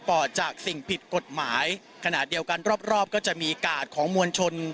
อดจากสิ่งผิดกฎหมายขณะเดียวกันรอบรอบก็จะมีกาดของมวลชน